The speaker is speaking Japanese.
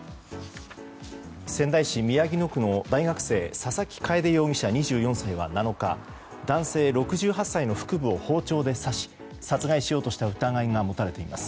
仙台市宮城野区の大学生佐々木楓容疑者、２４歳は７日、男性６８歳の腹部を包丁で刺し殺害しようとした疑いが持たれています。